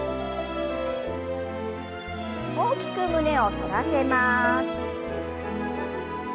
大きく胸を反らせます。